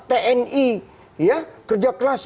tni kerja keras